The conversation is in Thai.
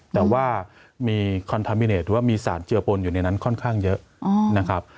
แต่ว่ามีคอนทามิเนตหรือว่ามีสารเจือปนอยู่ในนั้นค่อนข้างเยอะนะครับ